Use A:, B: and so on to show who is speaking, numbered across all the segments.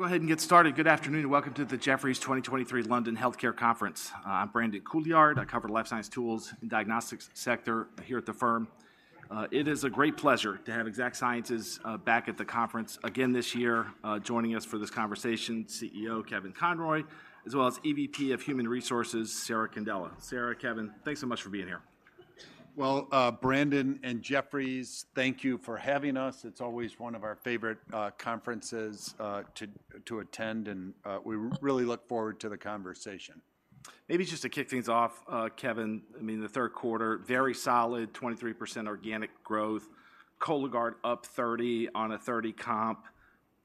A: We'll go ahead and get started. Good afternoon, and welcome to the Jefferies 2023 London Healthcare Conference. I'm Brandon Couillard. I cover the life science tools and diagnostics sector here at the firm. It is a great pleasure to have Exact Sciences back at the conference again this year. Joining us for this conversation, CEO Kevin Conroy, as well as EVP of Human Resources, Sarah Condella. Sarah, Kevin, thanks so much for being here.
B: Well, Brandon and Jefferies, thank you for having us. It's always one of our favorite conferences to attend, and we really look forward to the conversation.
A: Maybe just to kick things off, Kevin, I mean, the third quarter, very solid, 23% organic growth, Cologuard up 30% on a 30% comp.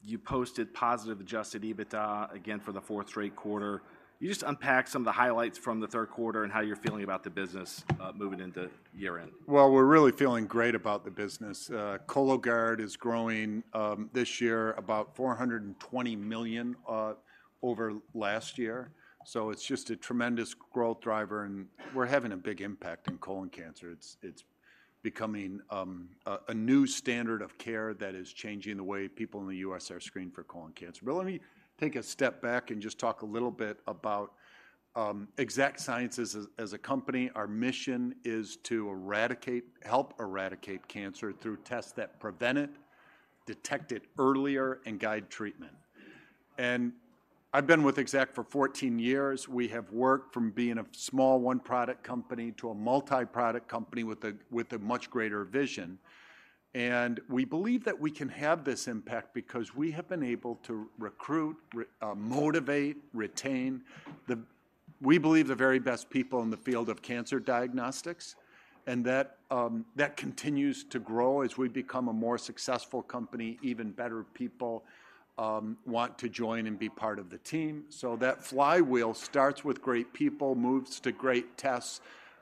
A: You posted positive adjusted EBITDA again for the fourth straight quarter. Can you just unpack some of the highlights from the third quarter and how you're feeling about the business, moving into year-end?
B: Well, we're really feeling great about the business. Cologuard is growing, this year about $420 million over last year, so it's just a tremendous growth driver, and we're having a big impact in colon cancer. It's becoming a new standard of care that is changing the way people in the U.S. are screened for colon cancer. But let me take a step back and just talk a little bit about Exact Sciences as a company. Our mission is to eradicate, help eradicate cancer through tests that prevent it, detect it earlier, and guide treatment. And I've been with Exact for 14 years. We have worked from being a small, 1-product company to a multi-product company with a much greater vision. We believe that we can have this impact because we have been able to recruit, motivate, retain, we believe, the very best people in the field of cancer diagnostics, and that, that continues to grow. As we become a more successful company, even better people want to join and be part of the team. So that flywheel starts with great people, moves to great tests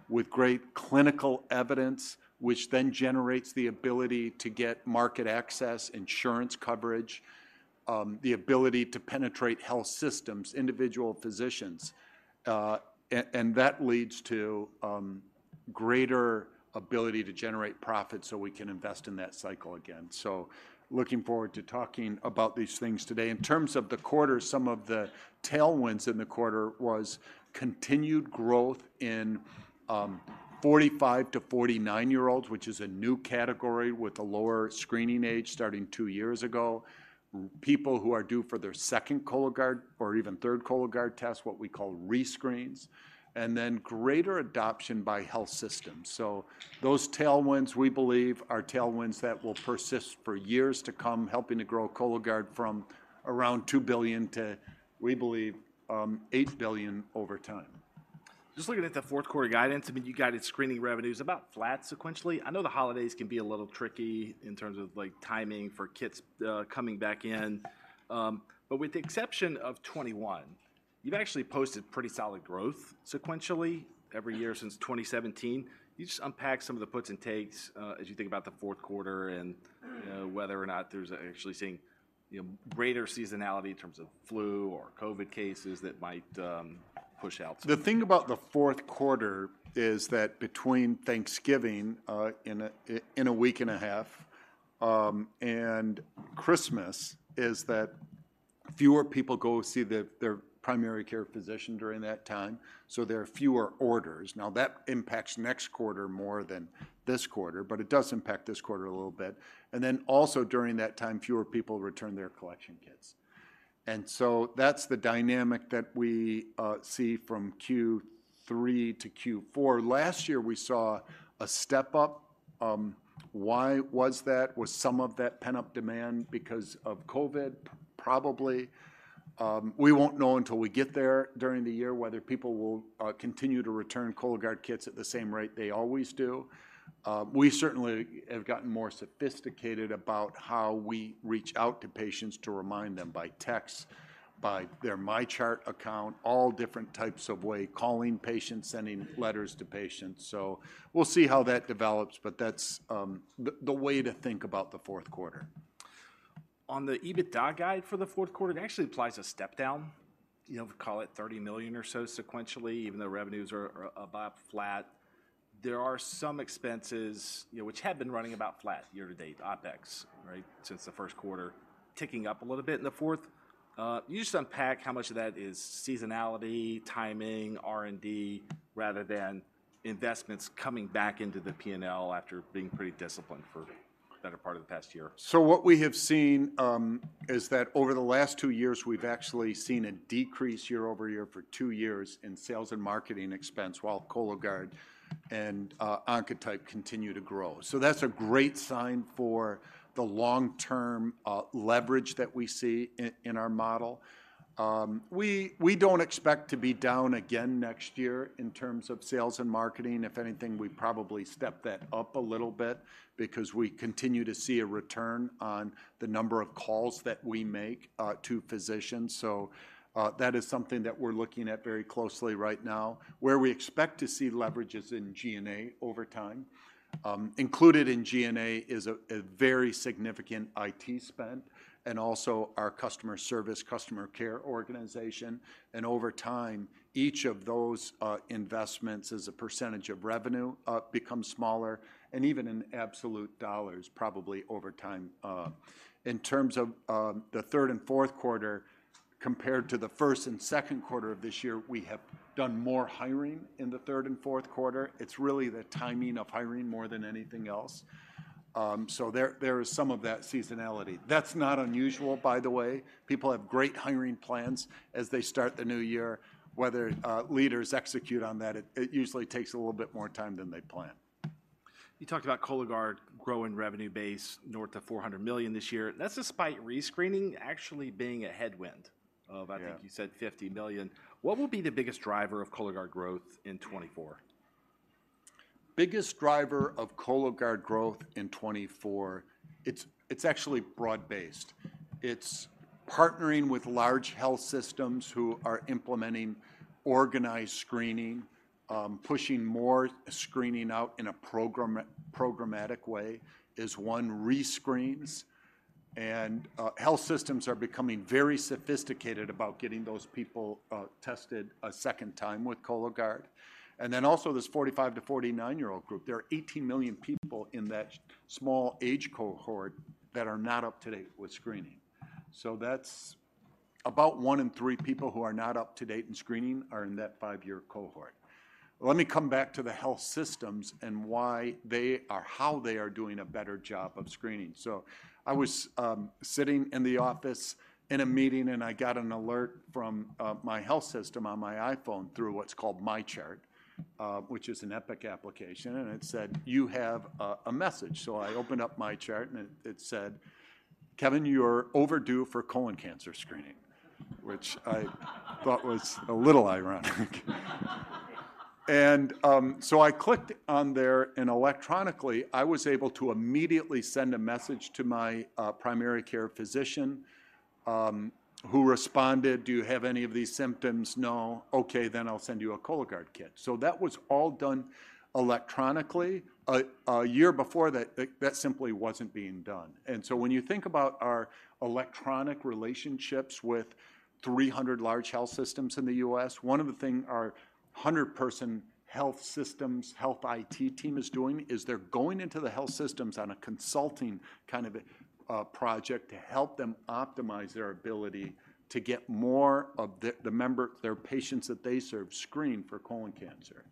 B: with great clinical evidence, which then generates the ability to get market access, insurance coverage, the ability to penetrate health systems, individual physicians, and that leads to, greater ability to generate profit so we can invest in that cycle again. So looking forward to talking about these things today. In terms of the quarter, some of the tailwinds in the quarter was continued growth in 45- to 49-year-olds, which is a new category with a lower screening age, starting two years ago, people who are due for their second Cologuard or even third Cologuard test, what we call rescreens, and then greater adoption by health systems. So those tailwinds, we believe, are tailwinds that will persist for years to come, helping to grow Cologuard from around $2 billion to, we believe, $8 billion over time.
A: Just looking at the fourth quarter guidance, I mean, you guided screening revenues about flat sequentially. I know the holidays can be a little tricky in terms of, like, timing for kits coming back in. But with the exception of 2021, you've actually posted pretty solid growth sequentially every year since 2017. Can you just unpack some of the puts and takes as you think about the fourth quarter and whether or not there's actually seeing, you know, greater seasonality in terms of flu or COVID cases that might push out?
B: The thing about the fourth quarter is that between Thanksgiving in a week and a half and Christmas is that fewer people go see their primary care physician during that time, so there are fewer orders. Now, that impacts next quarter more than this quarter, but it does impact this quarter a little bit. Then also during that time, fewer people return their collection kits, and so that's the dynamic that we see from Q3 to Q4. Last year, we saw a step-up. Why was that? Was some of that pent-up demand because of COVID? Probably. We won't know until we get there during the year whether people will continue to return Cologuard kits at the same rate they always do. We certainly have gotten more sophisticated about how we reach out to patients to remind them by text, by their MyChart account, all different types of way, calling patients, sending letters to patients. So we'll see how that develops, but that's the way to think about the fourth quarter.
A: On the EBITDA guide for the fourth quarter, it actually implies a step-down, you know, call it $30 million or so sequentially, even though revenues are about flat. There are some expenses, you know, which had been running about flat year to date, OpEx, right, since the first quarter, ticking up a little bit in the fourth. Can you just unpack how much of that is seasonality, timing, R&D, rather than investments coming back into the P&L after being pretty disciplined for the better part of the past year?
B: So what we have seen, is that over the last two years, we've actually seen a decrease year-over-year for two years in sales and marketing expense, while Cologuard and, Oncotype DX continue to grow. So that's a great sign for the long-term, leverage that we see in our model. We don't expect to be down again next year in terms of sales and marketing. If anything, we probably step that up a little bit because we continue to see a return on the number of calls that we make to physicians. So, that is something that we're looking at very closely right now. Where we expect to see leverage is in G&A over time. Included in G&A is a very significant IT spend and also our customer service, customer care organization, and over time, each of those investments as a percentage of revenue becomes smaller and even in absolute dollars, probably over time. In terms of the third and fourth quarter compared to the first and second quarter of this year, we have done more hiring in the third and fourth quarter. It's really the timing of hiring more than anything else. So there is some of that seasonality. That's not unusual, by the way. People have great hiring plans as they start the new year. Whether leaders execute on that, it usually takes a little bit more time than they plan.
A: You talked about Cologuard growing revenue base north of $400 million this year. That's despite re-screening actually being a headwind of, I think you said $50 million. What will be the biggest driver of Cologuard growth in 2024?
B: Biggest driver of Cologuard growth in 2024, it's actually broad-based. It's partnering with large health systems who are implementing organized screening, pushing more screening out in a programmatic way is one. Re-screens, and health systems are becoming very sophisticated about getting those people tested a second time with Cologuard. And then also, this 45- to 49-year-old group, there are 18 million people in that small age cohort that are not up-to-date with screening. So that's about one in three people who are not up-to-date in screening are in that five-year cohort. Let me come back to the health systems and why they, or how they are doing a better job of screening. So I was sitting in the office in a meeting, and I got an alert from my health system on my iPhone through what's called MyChart, which is an Epic application, and it said, "You have a message." So I opened up MyChart, and it said, "Kevin, you're overdue for colon cancer screening," which I thought was a little ironic. And so I clicked on there, and electronically, I was able to immediately send a message to my primary care physician, who responded, "Do you have any of these symptoms?" "No." "Okay, then I'll send you a Cologuard kit." So that was all done electronically. A year before that, that simply wasn't being done. When you think about our electronic relationships with 300 large health systems in the U.S., one of the things our 100-person health systems health IT team is doing is they're going into the health systems on a consulting kind of a project to help them optimize their ability to get more of their patients that they serve screened for colon cancer.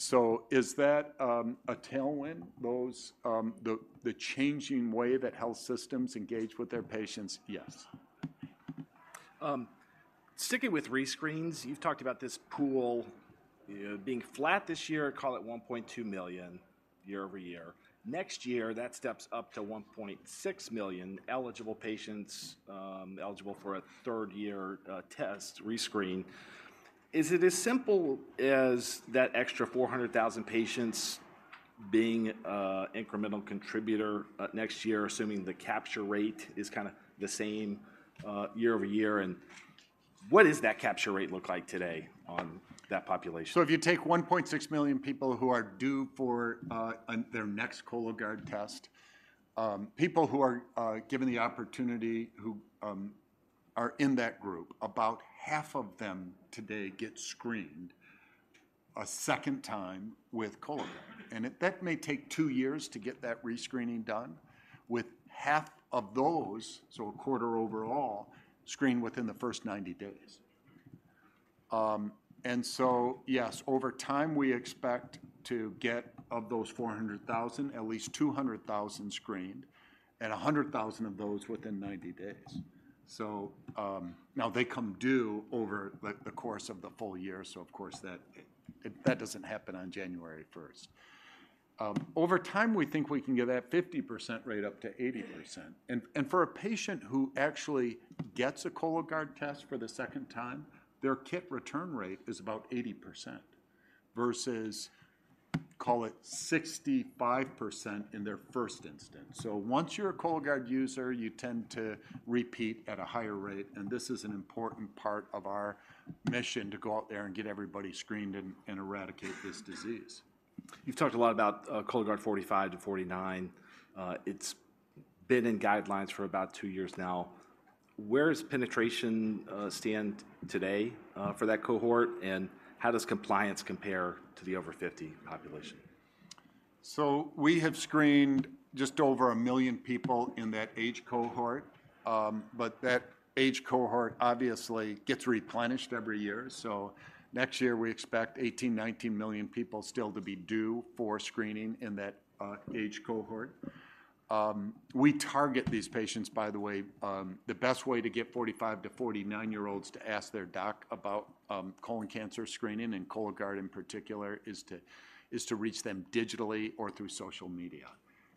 B: So is that a tailwind, the the changing way that health systems engage with their patients?
A: Yes. Sticking with re-screens, you've talked about this pool being flat this year, call it 1.2 million year over year. Next year, that steps up to 1.6 million eligible patients eligible for a third year test, re-screen. Is it as simple as that extra 400,000 patients being an incremental contributor next year, assuming the capture rate is kinda the same year over year? And what does that capture rate look like today on that population?
B: So if you take 1.6 million people who are due for their next Cologuard test, people who are given the opportunity, who are in that group, about half of them today get screened a second time with Cologuard. That may take two years to get that re-screening done, with half of those, so a quarter overall, screened within the first 90 days. And so, yes, over time, we expect to get, of those 400,000, at least 200,000 screened, and 100,000 of those within 90 days. So, now, they come due over the course of the full year, so of course, that doesn't happen on January first. Over time, we think we can get that 50% rate up to 80%. And for a patient who actually gets a Cologuard test for the second time, their kit return rate is about 80%, versus call it 65% in their first instance. So once you're a Cologuard user, you tend to repeat at a higher rate, and this is an important part of our mission, to go out there and get everybody screened and eradicate this disease.
A: You've talked a lot about Cologuard 45-49. It's been in guidelines for about 2 years now. Where does penetration stand today for that cohort, and how does compliance compare to the over 50 population?
B: So we have screened just over 1 million people in that age cohort. But that age cohort obviously gets replenished every year, so next year we expect 18-19 million people still to be due for screening in that age cohort. We target these patients, by the way, the best way to get 45-49-year-olds to ask their doc about colon cancer screening, and Cologuard in particular, is to reach them digitally or through social media,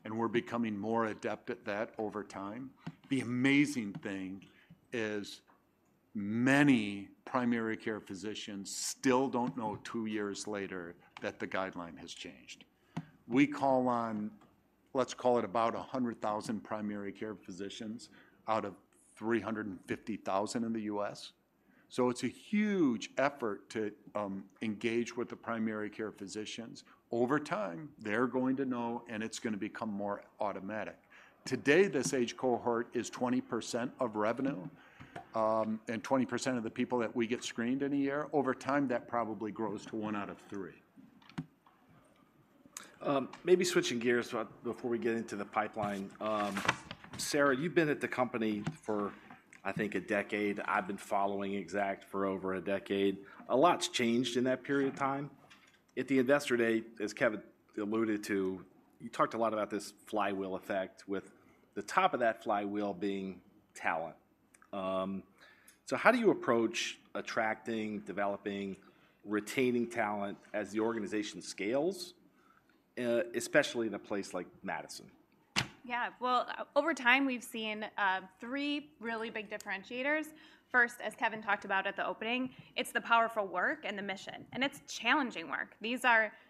B: and we're becoming more adept at that over time. The amazing thing is many primary care physicians still don't know, two years later, that the guideline has changed. We call on, let's call it about 100,000 primary care physicians out of 350,000 in the U.S. So it's a huge effort to engage with the primary care physicians. Over time, they're going to know, and it's going to become more automatic. Today, this age cohort is 20% of revenue, and 20% of the people that we get screened in a year. Over time, that probably grows to 1/3.
A: Maybe switching gears before we get into the pipeline. Sarah, you've been at the company for, I think, a decade. I've been following Exact Sciences for over a decade. A lot's changed in that period of time. At the Investor Day, as Kevin alluded to, you talked a lot about this flywheel effect, with the top of that flywheel being talent. So how do you approach attracting, developing, retaining talent as the organization scales, especially in a place like Madison?
C: Yeah. Well, over time, we've seen three really big differentiators. First, as Kevin talked about at the opening, it's the powerful work and the mission, and it's challenging work. These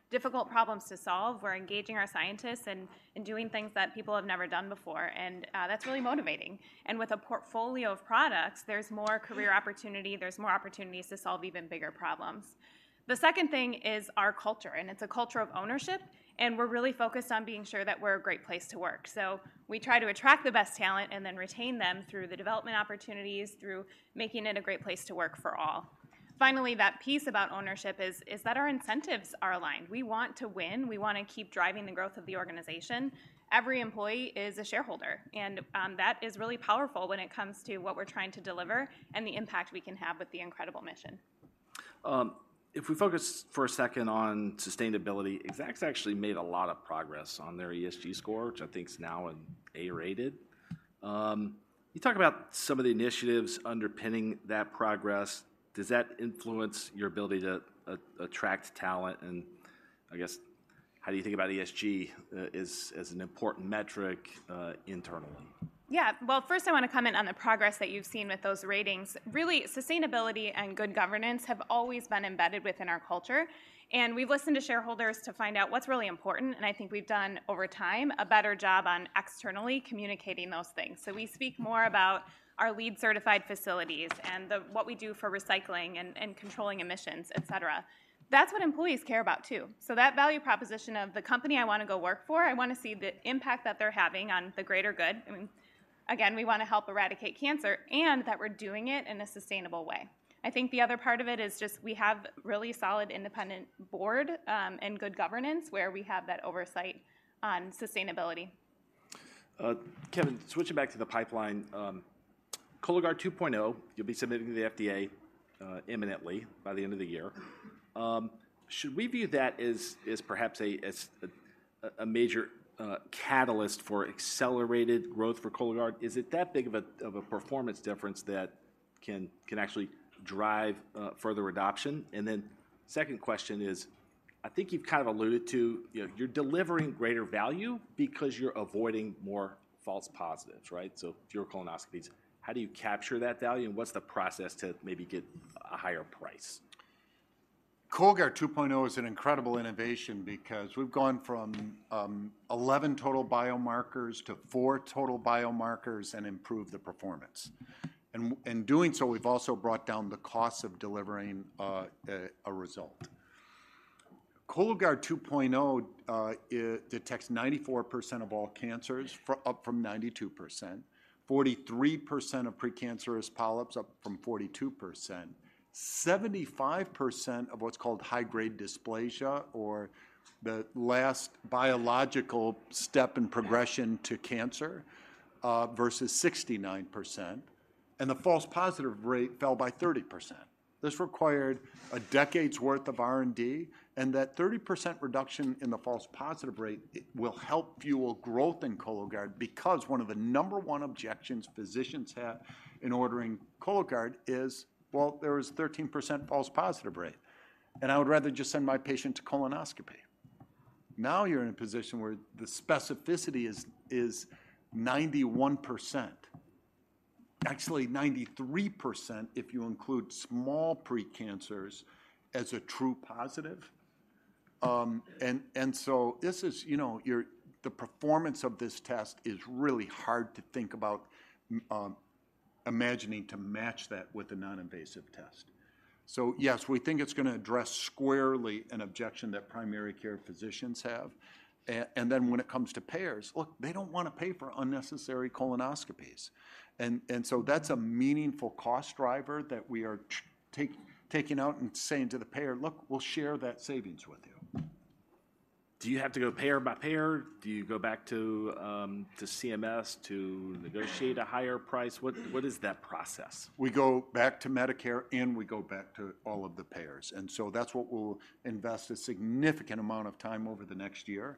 C: are difficult problems to solve. We're engaging our scientists and doing things that people have never done before, and that's really motivating. And with a portfolio of products, there's more career opportunity, there's more opportunities to solve even bigger problems. The second thing is our culture, and it's a culture of ownership, and we're really focused on being sure that we're a great place to work. So we try to attract the best talent and then retain them through the development opportunities, through making it a great place to work for all. Finally, that piece about ownership is that our incentives are aligned. We want to win. We want to keep driving the growth of the organization. Every employee is a shareholder, and that is really powerful when it comes to what we're trying to deliver and the impact we can have with the incredible mission.
A: If we focus for a second on sustainability, Exact Sciences actually made a lot of progress on their ESG score, which I think is now an A-rated. Can you talk about some of the initiatives underpinning that progress? Does that influence your ability to attract talent? And I guess, how do you think about ESG as an important metric internally?
C: Yeah. Well, first, I want to comment on the progress that you've seen with those ratings. Really, sustainability and good governance have always been embedded within our culture, and we've listened to shareholders to find out what's really important, and I think we've done, over time, a better job on externally communicating those things. So we speak more about our LEED certified facilities and the what we do for recycling and controlling emissions, et cetera. That's what employees care about too. So that value proposition of the company I want to go work for, I want to see the impact that they're having on the greater good. I mean, again, we want to help eradicate cancer and that we're doing it in a sustainable way. I think the other part of it is just we have really solid independent board, and good governance, where we have that oversight on sustainability.
A: Kevin, switching back to the pipeline, Cologuard 2.0, you'll be submitting to the FDA imminently by the end of the year. Should we view that as perhaps a major catalyst for accelerated growth for Cologuard? Is it that big of a performance difference that can actually drive further adoption? And then second question is, I think you've kind of alluded to, you know, you're delivering greater value because you're avoiding more false positives, right? So fewer colonoscopies. How do you capture that value, and what's the process to maybe get a higher price?
B: Cologuard 2.0 is an incredible innovation because we've gone from 11 total biomarkers to 4 total biomarkers and improved the performance. And, in doing so, we've also brought down the cost of delivering a result. Cologuard 2.0 it detects 94% of all cancers, up from 92%, 43% of precancerous polyps, up from 42%, 75% of what's called high-grade dysplasia or the last biological step in progression to cancer, versus 69%, and the false positive rate fell by 30%. This required a decade's worth of R&D, and that 30% reduction in the false positive rate, it will help fuel growth in Cologuard because one of the number one objections physicians have in ordering Cologuard is, "Well, there is thirteen percent false positive rate, and I would rather just send my patient to colonoscopy." Now, you're in a position where the specificity is ninety-one percent. Actually, ninety-three percent, if you include small pre-cancers as a true positive. And so this is, you know, the performance of this test is really hard to think about, imagining to match that with a non-invasive test. So yes, we think it's gonna address squarely an objection that primary care physicians have. And then when it comes to payers, look, they don't want to pay for unnecessary colonoscopies, and so that's a meaningful cost driver that we are taking out and saying to the payer, "Look, we'll share that savings with you.
A: Do you have to go payer by payer? Do you go back to, to CMS to negotiate a higher price? What, what is that process?
B: We go back to Medicare, and we go back to all of the payers, and so that's what we'll invest a significant amount of time over the next year,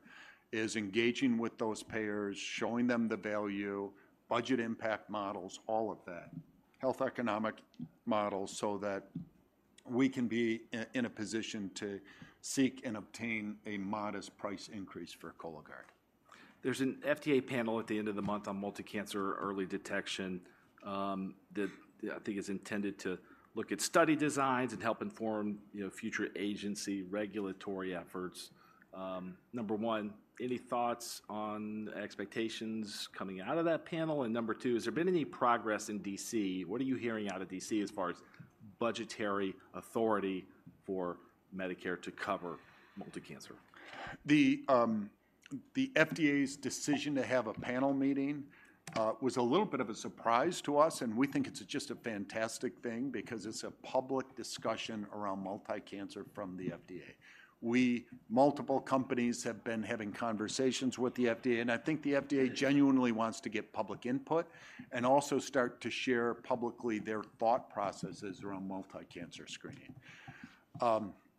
B: is engaging with those payers, showing them the value, budget impact models, all of that, health economic models, so that we can be in, in a position to seek and obtain a modest price increase for Cologuard.
A: There's an FDA panel at the end of the month on multi-cancer early detection, that I think is intended to look at study designs and help inform, you know, future agency regulatory efforts. Number one, any thoughts on expectations coming out of that panel? And number two, has there been any progress in D.C.? What are you hearing out of D.C. as far as budgetary authority for Medicare to cover multi-cancer?
B: The FDA's decision to have a panel meeting was a little bit of a surprise to us, and we think it's just a fantastic thing because it's a public discussion around multi-cancer from the FDA. Multiple companies have been having conversations with the FDA, and I think the FDA genuinely wants to get public input and also start to share publicly their thought processes around multi-cancer screening.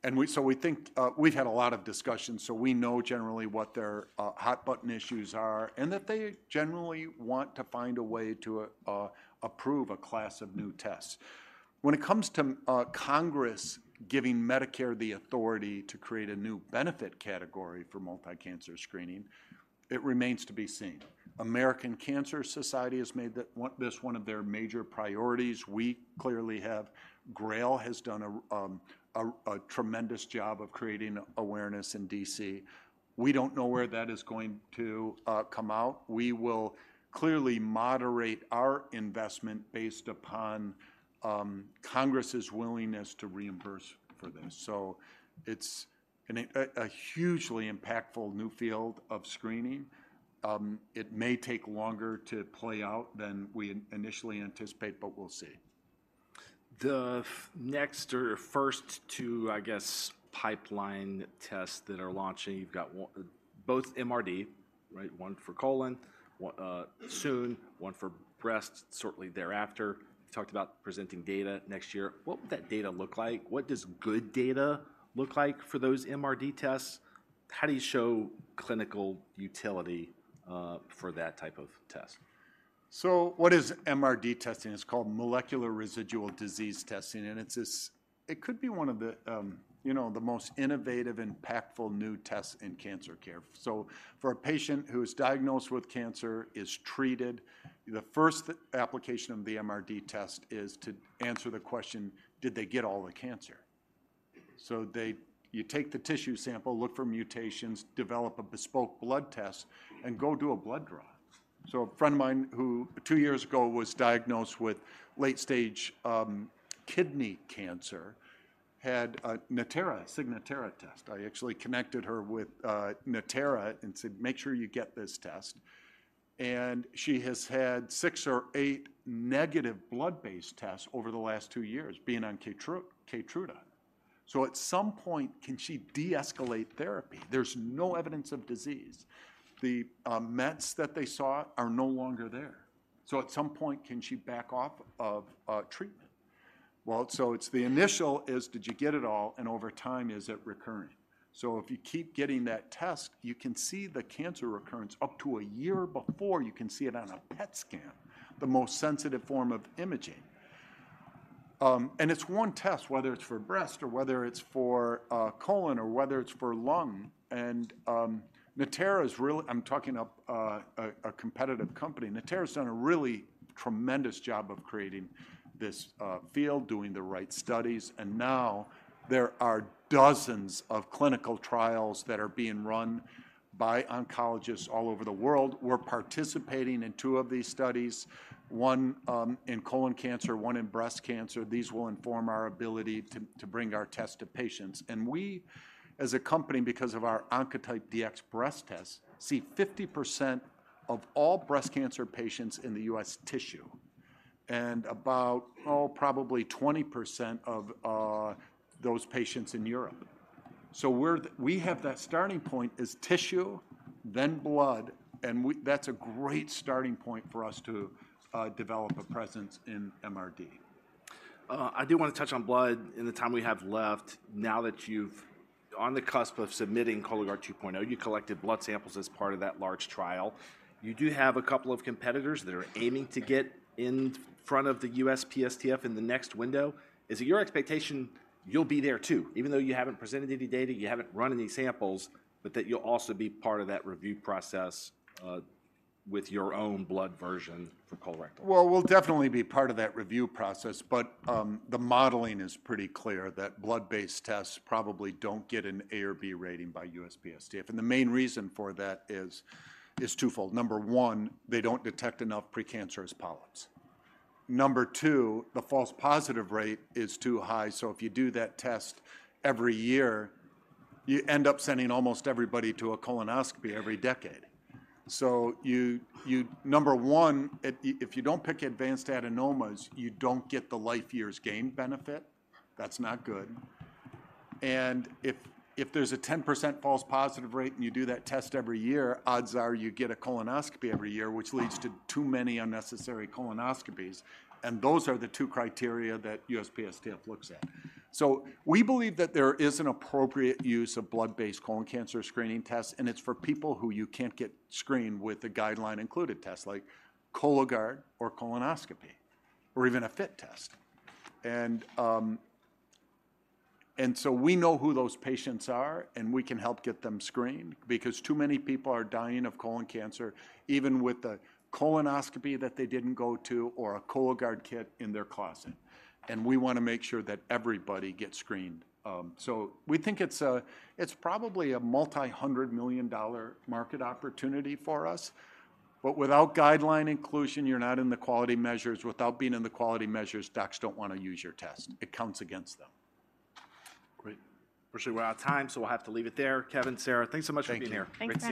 B: And we, so we think, we've had a lot of discussions, so we know generally what their hot button issues are, and that they generally want to find a way to approve a class of new tests. When it comes to Congress giving Medicare the authority to create a new benefit category for multi-cancer screening, it remains to be seen. American Cancer Society has made this one of their major priorities. We clearly have. GRAIL has done a tremendous job of creating awareness in D.C. We don't know where that is going to come out. We will clearly moderate our investment based upon Congress's willingness to reimburse for this. So it's a hugely impactful new field of screening. It may take longer to play out than we initially anticipated, but we'll see.
A: The next or first two, I guess, pipeline tests that are launching, you've got one, both MRD, right? One for colon, one soon, one for breast, certainly thereafter. You talked about presenting data next year. What would that data look like? What does good data look like for those MRD tests? How do you show clinical utility for that type of test?
B: So what is MRD testing? It's called molecular residual disease testing, and it's this, it could be one of the, you know, the most innovative, impactful new tests in cancer care. So for a patient who is diagnosed with cancer, is treated, the first application of the MRD test is to answer the question: Did they get all the cancer? So they, you take the tissue sample, look for mutations, develop a bespoke blood test, and go do a blood draw. So a friend of mine who, two years ago, was diagnosed with late stage kidney cancer, had a Natera Signatera test. I actually connected her with Natera and said, "Make sure you get this test." And she has had six or eight negative blood-based tests over the last two years, being on Keytruda. So at some point, can she deescalate therapy? There's no evidence of disease. The mets that they saw are no longer there. So at some point, can she back off of treatment? Well, so it's the initial is, did you get it all? And over time, is it recurring? So if you keep getting that test, you can see the cancer recurrence up to a year before you can see it on a PET scan, the most sensitive form of imaging. And it's one test, whether it's for breast or whether it's for colon or whether it's for lung. And Natera is really. I'm talking up a competitive company. Natera's done a really tremendous job of creating this field, doing the right studies, and now there are dozens of clinical trials that are being run by oncologists all over the world. We're participating in two of these studies, one in colon cancer, one in breast cancer. These will inform our ability to bring our test to patients. We, as a company, because of our Oncotype DX breast tests, see 50% of all breast cancer patients in the U.S. tissue, and about, oh, probably 20% of those patients in Europe. So we're—we have that starting point is tissue, then blood, and we—that's a great starting point for us to develop a presence in MRD.
A: I do want to touch on blood in the time we have left. Now that you're on the cusp of submitting Cologuard 2.0, you collected blood samples as part of that large trial. You do have a couple of competitors that are aiming to get in front of the USPSTF in the next window. Is it your expectation you'll be there, too, even though you haven't presented any data, you haven't run any samples, but that you'll also be part of that review process with your own blood version for colorectal?
B: Well, we'll definitely be part of that review process, but the modeling is pretty clear that blood-based tests probably don't get an A or B rating by USPSTF, and the main reason for that is twofold. Number one, they don't detect enough precancerous polyps. Number two, the false positive rate is too high, so if you do that test every year, you end up sending almost everybody to a colonoscopy every decade. So you number one, if you don't pick advanced adenomas, you don't get the life years gained benefit. That's not good. And if there's a 10% false positive rate, and you do that test every year, odds are you get a colonoscopy every year, which leads to too many unnecessary colonoscopies, and those are the two criteria that USPSTF looks at. So we believe that there is an appropriate use of blood-based colon cancer screening tests, and it's for people who you can't get screened with a guideline included test, like Cologuard or colonoscopy or even a FIT test. And, and so we know who those patients are, and we can help get them screened because too many people are dying of colon cancer, even with a colonoscopy that they didn't go to or a Cologuard kit in their closet. And we want to make sure that everybody gets screened. So we think it's a, it's probably a multi-hundred million dollar market opportunity for us, but without guideline inclusion, you're not in the quality measures. Without being in the quality measures, docs don't want to use your test. It counts against them.
A: Great. Unfortunately, we're out of time, so we'll have to leave it there. Kevin, Sarah, thanks so much for being here.
B: Thank you.
C: Thanks.